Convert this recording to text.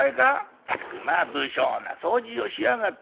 ったくまあ不精な掃除をしやがって。